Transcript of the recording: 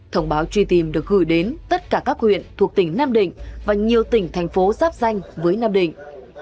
thông báo truy tìm được gửi đến tất cả các huyện thuộc tỉnh nam định và nhiều tỉnh thành phố sắp danh với nam định